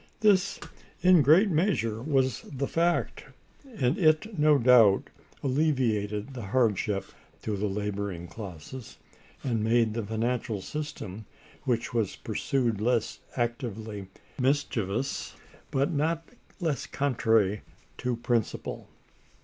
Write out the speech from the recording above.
This, in a great measure, was the fact; and it, no doubt, alleviated the hardship to the laboring classes, and made the financial system which was pursued less actively mischievous, but not less contrary to principle.